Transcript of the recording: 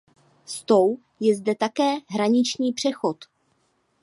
S tou je zde také hraniční přechod.